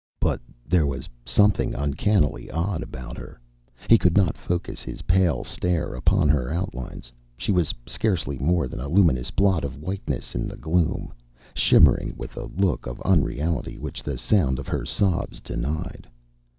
But there was something uncannily odd about her. He could not focus his pale stare upon her outlines. She was scarcely more than a luminous blot of whiteness in the gloom, shimmering with a look of unreality which the sound of her sobs denied.